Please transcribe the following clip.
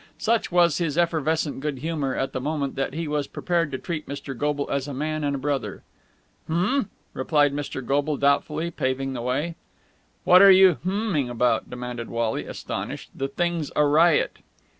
Such was his effervescent good humour at the moment that he was prepared to treat Mr. Goble as a man and a brother. "H'm!" replied Mr. Goble doubtfully, paving the way. "What are you h'ming about?" demanded Wally, astonished. "The thing's a riot."